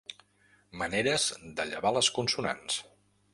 Maneres de llevar les consonants.